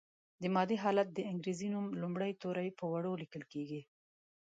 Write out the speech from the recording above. د مادې حالت د انګریزي نوم لومړي توري په وړو لیکل کیږي.